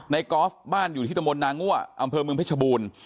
กอล์ฟบ้านอยู่ที่ตะมนตนางั่วอำเภอเมืองเพชรบูรณ์